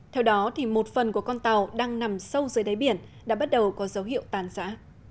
theo đó một phần của con tàu đang nằm sâu dưới đáy biển đã bắt đầu có dấu hiệu tàn giã